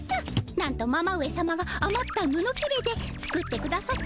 なんとママ上さまがあまったぬのきれで作ってくださったのでございます。